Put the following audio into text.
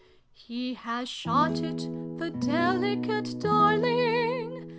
" He has shot it, the delicate darling!